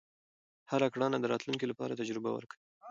هره کړنه د راتلونکي لپاره تجربه ورکوي.